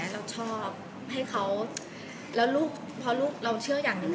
เราชอบให้เขาแล้วเราเชื่ออย่างหนึ่ง